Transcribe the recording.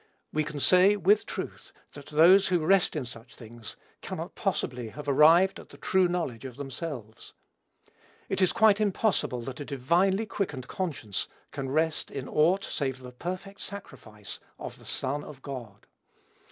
We can say, with truth, that those who rest in such things cannot possibly have arrived at the true knowledge of themselves. It is quite impossible that a divinely quickened conscience can rest in aught save the perfect sacrifice of the Son of God.